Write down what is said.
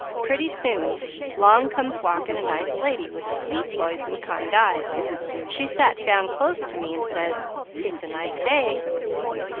Pretty soon 'long comes walking a nice lady with a sweet voice and kind eyes. She sat down close me and says: 'It's a nice day.'